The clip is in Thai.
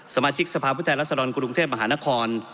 สมาชิกสภาพวิทยาลักษณ์รัฐสลองกรุงเทพมหานคร